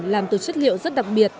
làm từ chất liệu rất đặc biệt